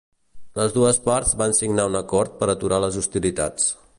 Les dues parts van signar un acord per aturar les hostilitats.